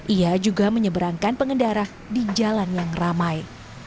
ia juga menyeberangkan pengendara di jalan yang ramai